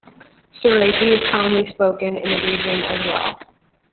Seraiki is commonly spoken in the region as well.